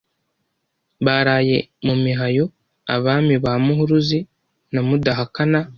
Baraye mu mihayo Abami ba Muhuruzi na Mudahakana